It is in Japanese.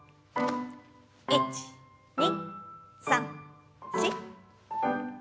１２３４。